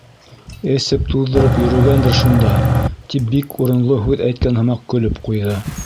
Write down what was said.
Эсеп-туҙҙырып йөрөгәндер шунда, — тип бик урынлы һүҙ әйткән һымаҡ көлөп ҡуйҙы.